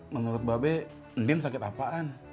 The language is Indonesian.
menurut babe nim sakit apaan